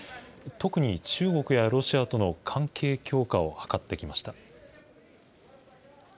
特に中国やロシアとの関係強化を図ってきました。